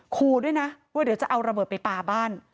คู่ด้วยนะว่าเดี๋ยวจะเอาระเบิดไปปลาบ้าน